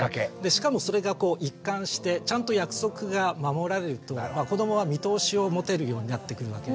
しかもそれが一貫してちゃんと約束が守られると子どもは見通しを持てるようになってくるわけです。